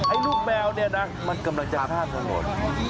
ลูกแมวเนี่ยนะมันกำลังจะข้ามถนน